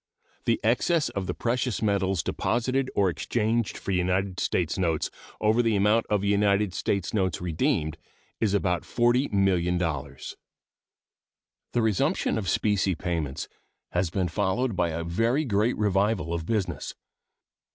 The excess of the precious metals deposited or exchanged for United States notes over the amount of United States notes redeemed is about $40,000,000. The resumption of specie payments has been followed by a very great revival of business.